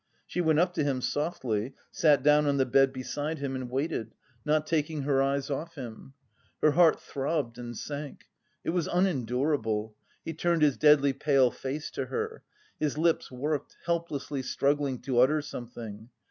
She went up to him, softly, sat down on the bed beside him and waited, not taking her eyes off him. Her heart throbbed and sank. It was unendurable; he turned his deadly pale face to her. His lips worked, helplessly struggling to utter something.